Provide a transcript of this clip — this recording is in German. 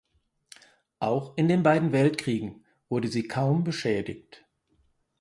Auch in den beiden Weltkriegen wurde sie kaum beschädigt.